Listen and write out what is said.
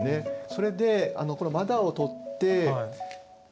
それでこの「まだ」を取って。